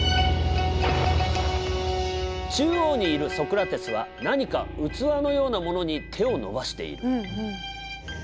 中央にいるソクラテスは何か器のようなものに手を伸ばしている。